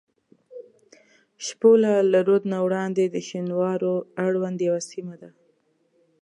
شپوله له رود نه وړاندې د شینوارو اړوند یوه سیمه ده.